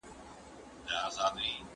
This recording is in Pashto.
په څېړنه کې بې طرفه پاتې سئ.